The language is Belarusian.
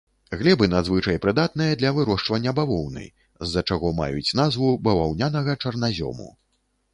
Глебы надзвычай прыдатныя для вырошчвання бавоўны, з-за чаго маюць назву баваўнянага чарназёму.